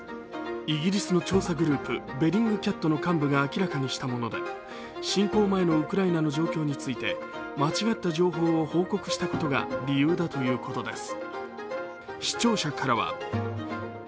イギリスの調査グループ・ベリングキャットの幹部が明らかにしたもので侵攻前のウクライナの状況について、間違った情報を報告したことが理由だということです。